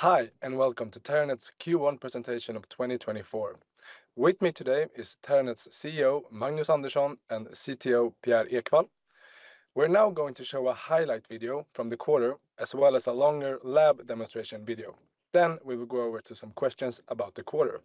Hi, and welcome to Terranet's Q1 presentation of 2024. With me today is Terranet's CEO, Magnus Andersson, and CTO, Pierre Ekwall. We're now going to show a highlight video from the quarter, as well as a longer lab demonstration video. Then we will go over to some questions about the quarter.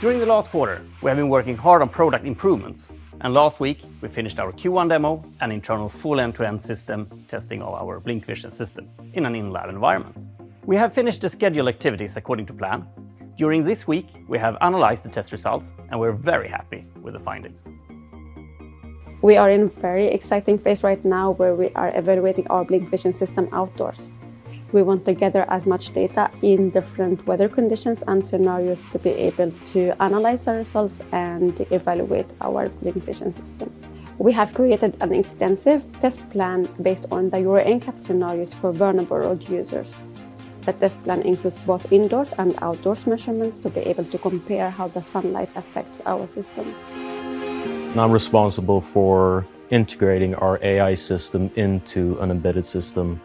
During the last quarter, we have been working hard on product improvements, and last week we finished our Q1 demo and internal full end-to-end system testing of our BlincVision system in an in-lab environment. We have finished the scheduled activities according to plan. During this week, we have analyzed the test results, and we're very happy with the findings. We are in a very exciting phase right now where we are evaluating our BlincVision system outdoors. We want to gather as much data in different weather conditions and scenarios to be able to analyze the results and evaluate our BlincVision system. We have created an extensive test plan based on the Euro NCAP scenarios for vulnerable road users. The test plan includes both indoors and outdoors measurements to be able to compare how the sunlight affects our system. I'm responsible for integrating our AI system into an embedded system,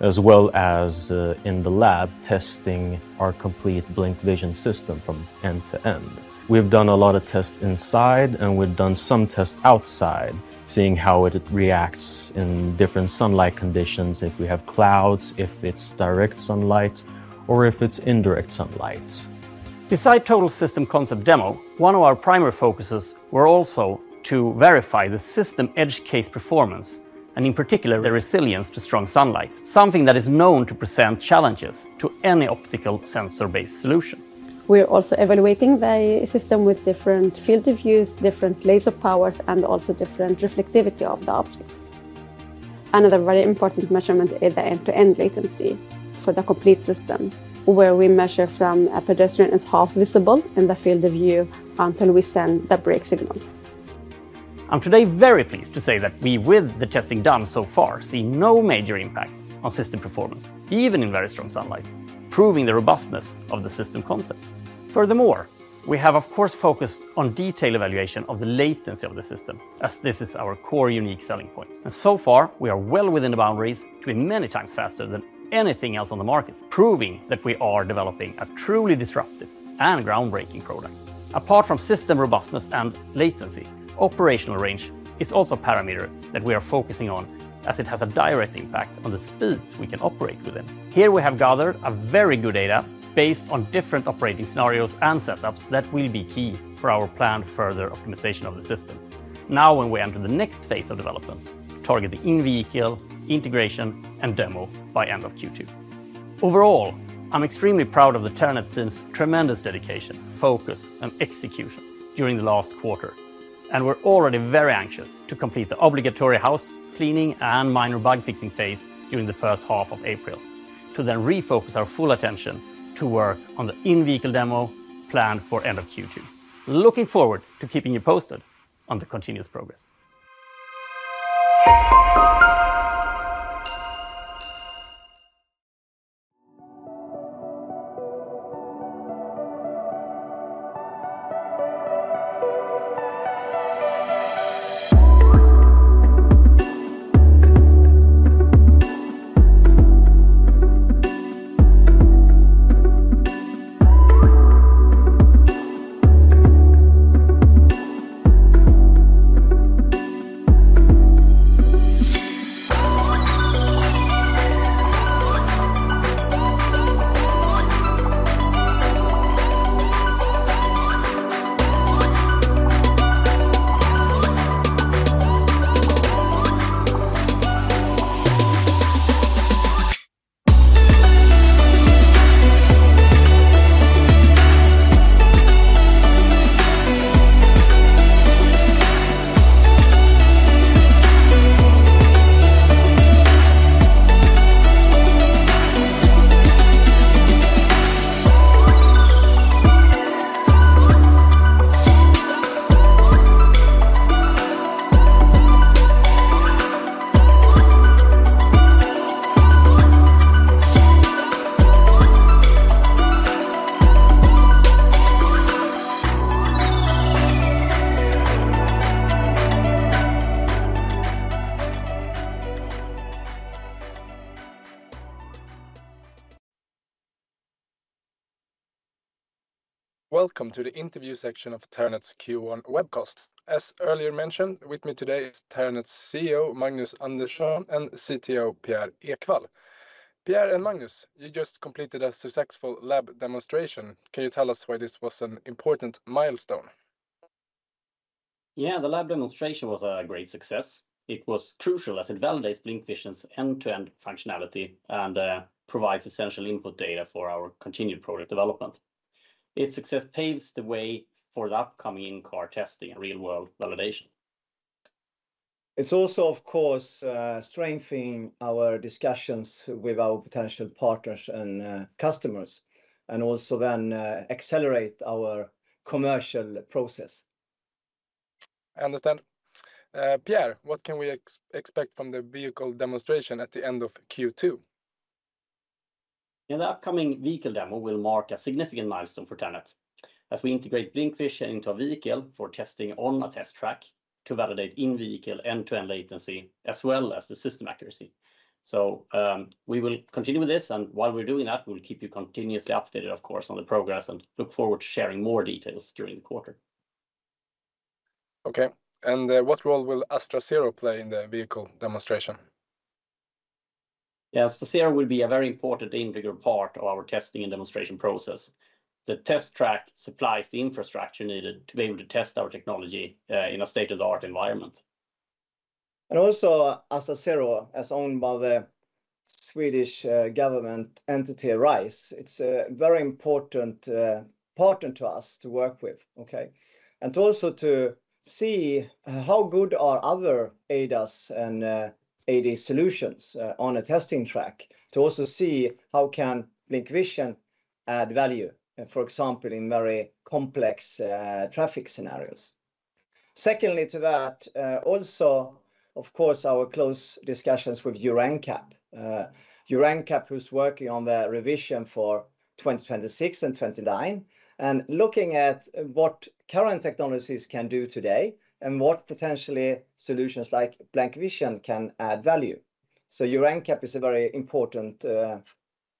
as well as in the lab, testing our complete BlincVision system from end to end. We've done a lot of tests inside, and we've done some tests outside, seeing how it reacts in different sunlight conditions, if we have clouds, if it's direct sunlight, or if it's indirect sunlight. Besides total system concept demo, one of our primary focuses were also to verify the system edge case performance, and in particular, the resilience to strong sunlight, something that is known to present challenges to any optical sensor-based solution. We are also evaluating the system with different field of views, different laser powers, and also different reflectivity of the objects. Another very important measurement is the end-to-end latency for the complete system, where we measure from a pedestrian is half visible in the field of view until we send the brake signal. I'm today very pleased to say that we, with the testing done so far, see no major impact on system performance, even in very strong sunlight, proving the robustness of the system concept. Furthermore, we have, of course, focused on detailed evaluation of the latency of the system, as this is our core, unique selling point. So far, we are well within the boundaries to be many times faster than anything else on the market, proving that we are developing a truly disruptive and groundbreaking product. Apart from system robustness and latency, operational range is also a parameter that we are focusing on, as it has a direct impact on the speeds we can operate within. Here we have gathered a very good data based on different operating scenarios and setups that will be key for our planned further optimization of the system. Now, when we enter the next phase of development targeting in-vehicle integration and demo by end of Q2. Overall, I'm extremely proud of the Terranet team's tremendous dedication, focus, and execution during the last quarter, and we're already very anxious to complete the obligatory house cleaning and minor bug-fixing phase during the first half of April, to then refocus our full attention to work on the in-vehicle demo planned for end of Q2. Looking forward to keeping you posted on the continuous progress. Welcome to the interview section of Terranet's Q1 webcast. As earlier mentioned, with me today is Terranet's CEO, Magnus Andersson, and CTO, Pierre Ekwall. Pierre and Magnus, you just completed a successful lab demonstration. Can you tell us why this was an important milestone? Yeah, the lab demonstration was a great success. It was crucial as it validates BlincVision's end-to-end functionality and provides essential input data for our continued product development. Its success paves the way for the upcoming in-car testing and real-world validation. It's also, of course, strengthening our discussions with our potential partners and customers, and also then accelerate our commercial process.... I understand. Pierre, what can we expect from the vehicle demonstration at the end of Q2? In the upcoming vehicle demo, we'll mark a significant milestone for Terranet, as we integrate BlincVision into a vehicle for testing on a test track to validate in-vehicle end-to-end latency, as well as the system accuracy. We will continue with this, and while we're doing that, we'll keep you continuously updated, of course, on the progress and look forward to sharing more details during the quarter. Okay, and what role will AstaZero play in the vehicle demonstration? Yes, AstaZero will be a very important integral part of our testing and demonstration process. The test track supplies the infrastructure needed to be able to test our technology in a state-of-the-art environment. And also, AstaZero, as owned by the Swedish government entity, RISE, it's a very important partner to us to work with, okay? And also to see how good are other ADAS and AD solutions on a testing track, to also see how can BlincVision add value, for example, in very complex traffic scenarios. Secondly to that, also, of course, our close discussions with Euro NCAP. Euro NCAP, who's working on the revision for 2026 and 2029, and looking at what current technologies can do today, and what potentially solutions like BlincVision can add value. So Euro NCAP is a very important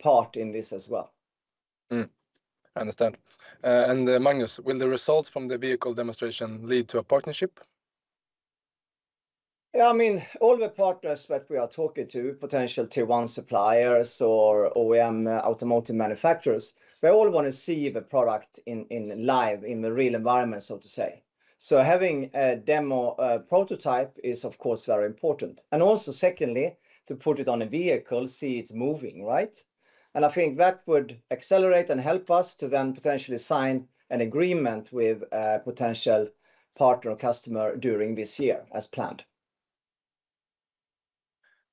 part in this as well. I understand. And Magnus, will the results from the vehicle demonstration lead to a partnership? Yeah, I mean, all the partners that we are talking to, potential Tier 1 suppliers or OEM automotive manufacturers, they all want to see the product in live, in the real environment, so to say. So having a demo, a prototype, is, of course, very important. And also secondly, to put it on a vehicle, see it's moving, right? And I think that would accelerate and help us to then potentially sign an agreement with a potential partner or customer during this year as planned.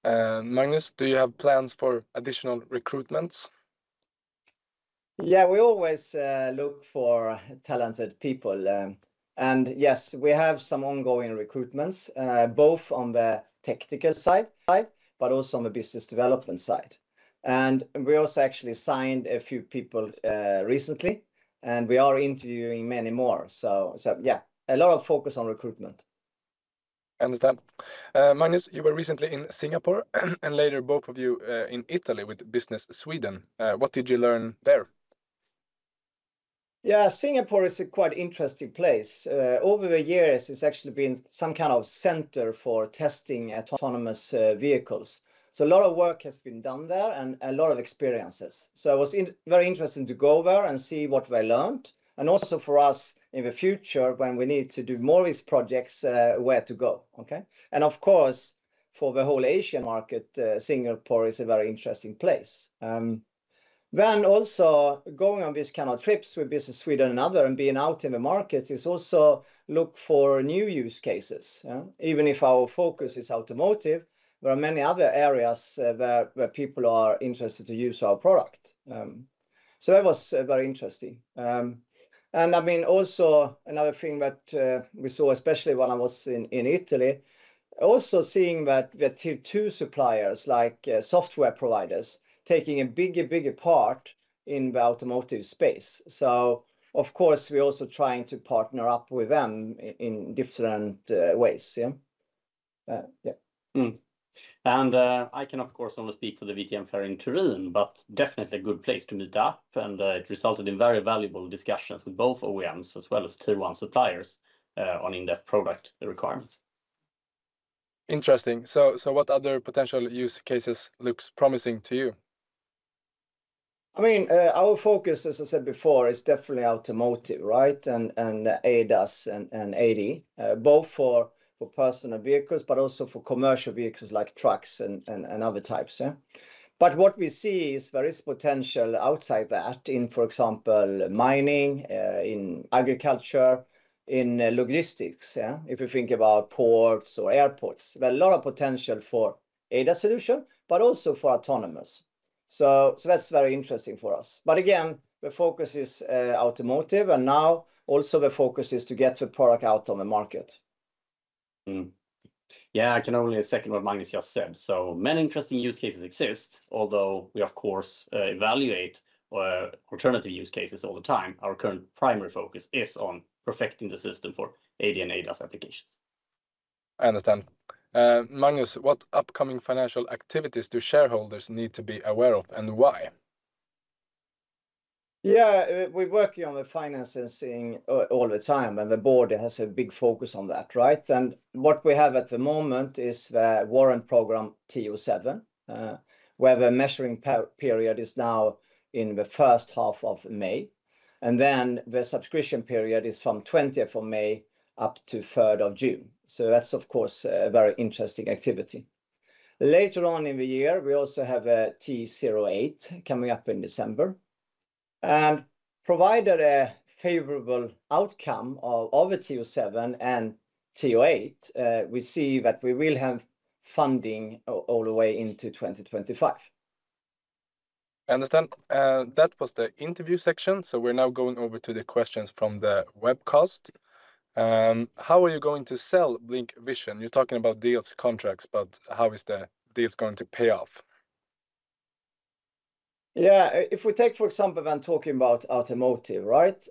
Magnus, do you have plans for additional recruitments? Yeah, we always look for talented people. And yes, we have some ongoing recruitments, both on the technical side, but also on the business development side. And we also actually signed a few people recently, and we are interviewing many more. So yeah, a lot of focus on recruitment. Understand. Magnus, you were recently in Singapore, and later, both of you, in Italy with Business Sweden. What did you learn there? Yeah, Singapore is a quite interesting place. Over the years, it's actually been some kind of center for testing autonomous vehicles. So a lot of work has been done there and a lot of experiences. So it was very interesting to go there and see what they learned, and also for us, in the future, when we need to do more of these projects, where to go, okay? And of course, for the whole Asian market, Singapore is a very interesting place. Then also, going on these kind of trips with Business Sweden and other, and being out in the market, is also look for new use cases, yeah? Even if our focus is automotive, there are many other areas where people are interested to use our product. So that was very interesting. And I mean, also, another thing that we saw, especially when I was in Italy, also seeing that the Tier 2 suppliers, like, software providers, taking a bigger, bigger part in the automotive space. So of course, we're also trying to partner up with them in different ways. Yeah. Yeah. I can, of course, only speak for the VTM Fair in Turin, but definitely a good place to meet up, and it resulted in very valuable discussions with both OEMs as well as Tier 1 suppliers on in-depth product requirements. Interesting. So, what other potential use cases looks promising to you? I mean, our focus, as I said before, is definitely automotive, right? And ADAS and AD, both for personal vehicles, but also for commercial vehicles like trucks and other types, yeah. But what we see is there is potential outside that in, for example, mining, in agriculture, in logistics, yeah. If you think about ports or airports, there are a lot of potential for ADAS solution, but also for autonomous. So that's very interesting for us. But again, the focus is automotive, and now also the focus is to get the product out on the market. Mm-hmm. Yeah, I can only second what Magnus just said. So many interesting use cases exist, although we, of course, evaluate alternative use cases all the time, our current primary focus is on perfecting the system for AD and ADAS applications. I understand. Magnus, what upcoming financial activities do shareholders need to be aware of, and why? Yeah, we're working on the finances thing all the time, and the board has a big focus on that, right? And what we have at the moment is the warrant program TO7, where the measuring period is now in the first half of May, and then the subscription period is from 20th of May up to 3rd of June. So that's of course a very interesting activity. Later on in the year, we also have a TO8 coming up in December. And provided a favorable outcome of the TO7 and TO8, we see that we will have funding all the way into 2025.... Understand. That was the interview section, so we're now going over to the questions from the webcast. How are you going to sell BlincVision? You're talking about deals, contracts, but how is the deals going to pay off? Yeah, if we take, for example, when talking about automotive, right?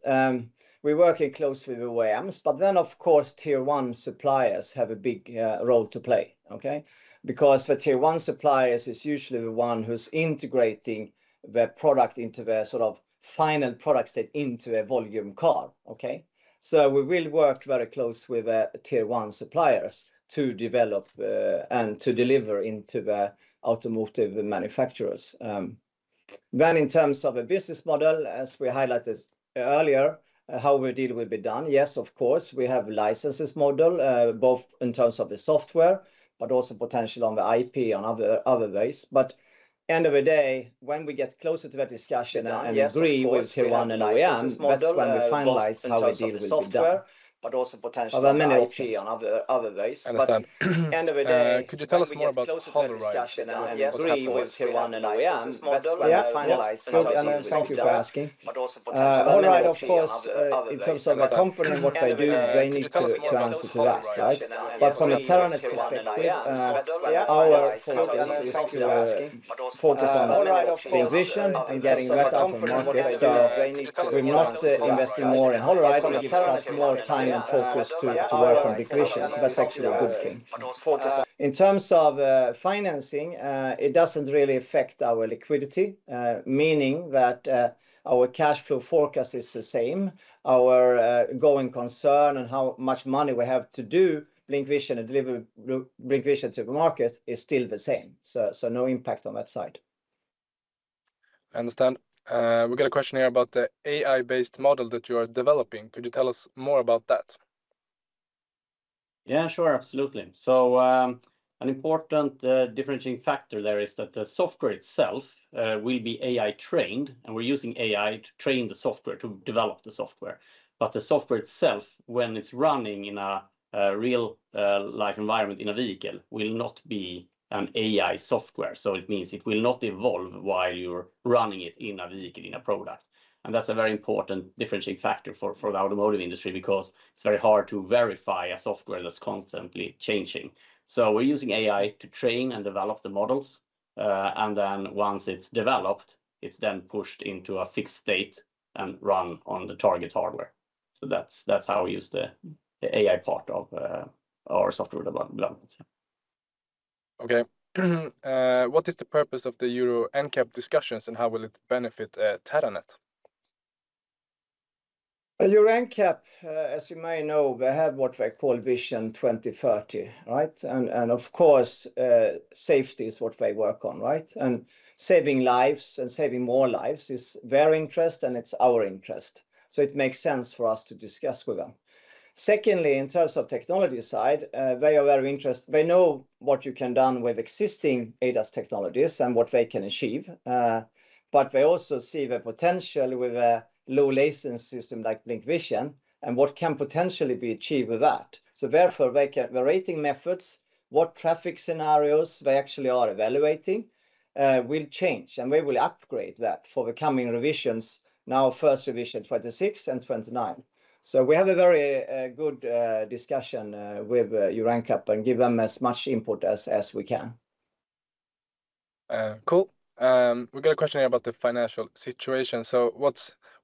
We're working closely with the OEMs, but then, of course, Tier 1 suppliers have a big role to play, okay? Because the Tier 1 suppliers is usually the one who's integrating the product into the sort of final product set into a volume car, okay? So we will work very close with the Tier 1 suppliers to develop and to deliver into the automotive manufacturers. Then in terms of a business model, as we highlighted earlier, how the deal will be done, yes, of course, we have licenses model both in terms of the software, but also potentially on the IP and other, other ways. But end of the day, when we get closer to the discussion and agree with Tier 1 and OEM, that's when we finalize how the deal will be done. Also potentially- Other options Other ways. Understand. End of the day- Could you tell us more about Holoride? Yeah. Good, and thank you for asking. Holoride, of course, in terms of our company and what they do, they need to answer to that, right? But from the Terranet perspective, our focus is to focus on BlincVision and getting that out to market. So we're not investing more in Holoride, but more time and focus to work on BlincVision. That's actually a good thing. In terms of financing, it doesn't really affect our liquidity, meaning that our cash flow forecast is the same. Our going concern and how much money we have to do BlincVision and deliver BlincVision to the market is still the same, so no impact on that side. I understand. We got a question here about the AI-based model that you are developing. Could you tell us more about that? Yeah, sure, absolutely. So, an important differentiating factor there is that the software itself will be AI trained, and we're using AI to train the software, to develop the software. But the software itself, when it's running in a real live environment in a vehicle, will not be an AI software. So it means it will not evolve while you're running it in a vehicle, in a product, and that's a very important differentiating factor for the automotive industry, because it's very hard to verify a software that's constantly changing. So we're using AI to train and develop the models, and then once it's developed, it's then pushed into a fixed state and run on the target hardware. So that's how we use the AI part of our software development. Okay. What is the purpose of the Euro NCAP discussions, and how will it benefit Terranet? Well, Euro NCAP, as you may know, they have what they call Vision 2030, right? And, of course, safety is what they work on, right? And saving lives and saving more lives is their interest, and it's our interest, so it makes sense for us to discuss with them. Secondly, in terms of technology side, they are very interested. They know what you can done with existing ADAS technologies and what they can achieve. But they also see the potential with a low latency system like BlincVision and what can potentially be achieved with that. So therefore, the rating methods, what traffic scenarios they actually are evaluating, will change, and we will upgrade that for the coming revisions, now first revision 2026 and 2029. We have a very good discussion with Euro NCAP and give them as much input as we can. Cool. We've got a question here about the financial situation.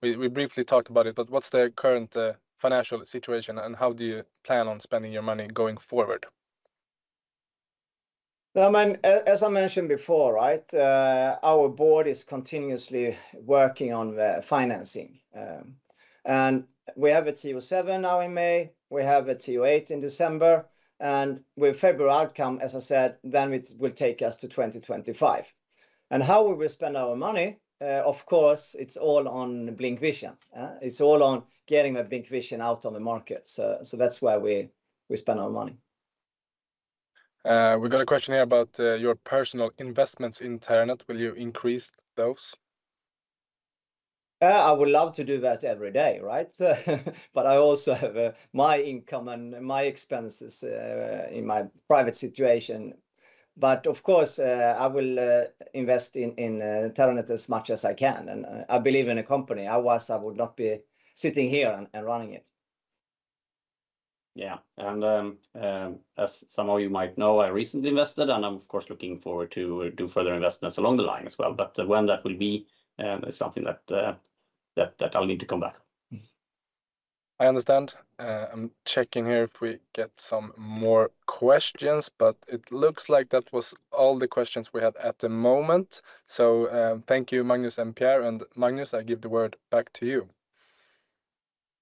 We briefly talked about it, but what's the current financial situation, and how do you plan on spending your money going forward? Well, I mean, as I mentioned before, right, our board is continuously working on the financing. And we have a TO7 now in May, we have a TO8 in December, and with February outcome, as I said, then it will take us to 2025. And how will we spend our money? Of course, it's all on BlincVision. It's all on getting the BlincVision out on the market, so, so that's where we, we spend our money. We've got a question here about your personal investments in Terranet. Will you increase those? I would love to do that every day, right? But I also have my income and my expenses in my private situation. But of course, I will invest in Terranet as much as I can, and I believe in the company. Otherwise, I would not be sitting here and running it. Yeah, and as some of you might know, I recently invested, and I'm of course looking forward to do further investments along the line as well. But when that will be is something that I'll need to come back. I understand. I'm checking here if we get some more questions, but it looks like that was all the questions we had at the moment. So, thank you, Magnus and Pierre, and Magnus, I give the word back to you.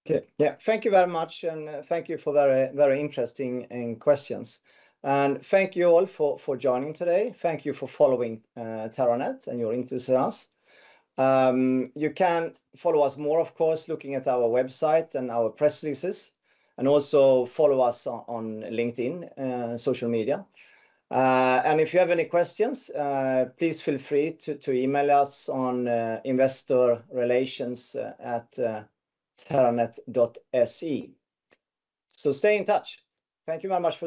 Okay, yeah. Thank you very much, and thank you for very, very interesting questions. Thank you all for joining today. Thank you for following Terranet and your interest in us. You can follow us more, of course, looking at our website and our press releases, and also follow us on LinkedIn social media. If you have any questions, please feel free to email us on investorrelations@terranet.se. So stay in touch. Thank you very much for listening-